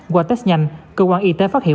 qua test nhanh cơ quan y tế phát hiện